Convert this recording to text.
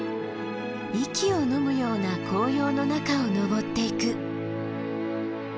息をのむような紅葉の中を登っていく。